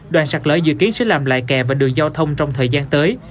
đoàn sạt lỡ dự kiến sẽ làm lại kẹ và đường giao thông trong thời gian tới